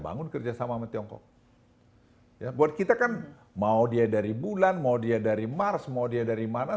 bangun kerjasama sama tiongkok ya buat kita kan mau dia dari bulan mau dia dari mars mau dia dari mana